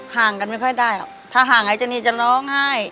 ห่างกันไม่ค่อยได้หรอกถ้าห่างไอ้เจ้านี่จะร้องไห้